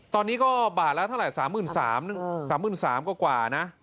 ตอนนี้ก็บาทละ๓๓๐๐๐กว่านะ